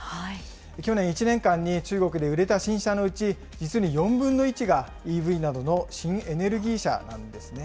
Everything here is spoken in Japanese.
去年１年間に中国で売れた新車のうち、実に４分の１がＥＶなどの新エネルギー車なんですね。